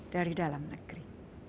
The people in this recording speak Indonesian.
dari dalam negeri